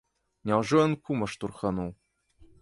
Няўжо ён кума штурхануў?